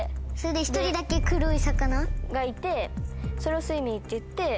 １人だけ黒い魚。がいてそれをスイミーっていって。